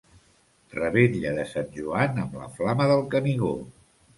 Revetlla de Sant Joan amb la Flama del Canigó.